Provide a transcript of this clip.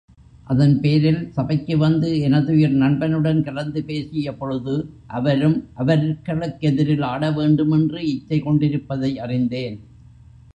அதன்பேரில் சபைக்கு வந்து எனதுயிர் நண்பனுடன் கலந்து பேசியபொழுது, அவரும் அவர்களுக்கெதிரில் ஆட வேண்டுமென்று இச்சை கொண்டிருப்பதை அறிந்தேன்.